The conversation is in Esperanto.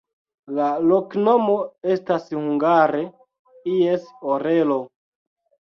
La loknomo estas hungare: ies orelo.